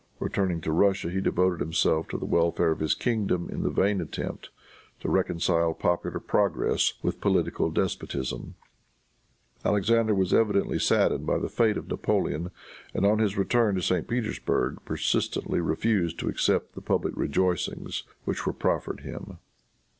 Returning to Russia he devoted himself to the welfare of his kingdom in the vain attempt to reconcile popular progress with political despotism. Alexander was evidently saddened by the fate of Napoleon, and on his return to St. Petersburg persistently refused to accept the public rejoicings which were proffered him.